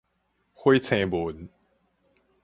火星文